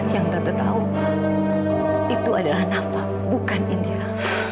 yang tata tahu itu adalah nafa bukan indira